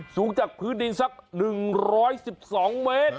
สูงจากพื้นดินสัก๑๑๒เมตร